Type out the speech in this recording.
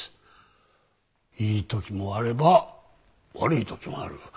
いい時もあれば悪い時もある。